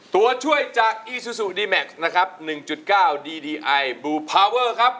ตัวช่วยจากอีซูซูดีแม็กซ์นะครับ๑๙ดีดีไอบลูพาเวอร์ครับ